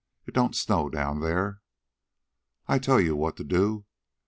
It don't snow down there. I tell you what you do.